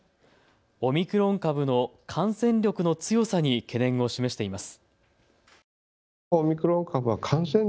オミクロン株の感染力の強さに懸念を示しています。